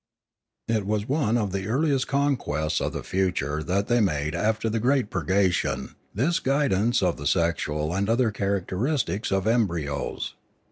It was one of the earliest conquests of the future that they made after the great purgation, this guidance 592 Limanora of the sexual and other characteristics of embryos.